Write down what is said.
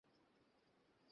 উঠার সময় হয়েছে, চলুন!